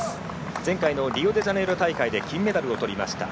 前回のリオデジャネイロ大会で金メダルをとりました。